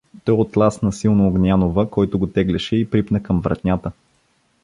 Той оттласна силно Огнянова, който го теглеше, и припна към вратнята.